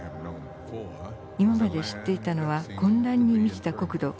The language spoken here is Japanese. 今まで知っていたのは混乱に満ちた国土。